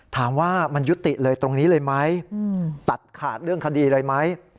ถามว่ามันยุติเลยตรงนี้เลยไหมตัดขาดเรื่องคดีเลยไหม